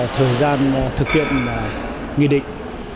thời gian thực hiện nghị định